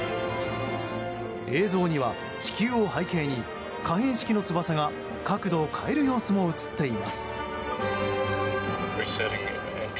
映像には地球を背景に可変式の翼が角度を変える様子も映っています。